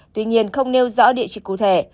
tuy nhiên không nêu rõ địa chỉ cụ thể